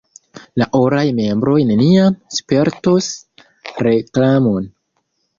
La oraj membroj neniam spertos reklamon.